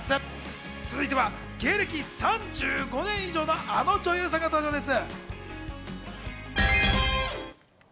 続いては、芸歴３５年以上のあの女優さんが登場です。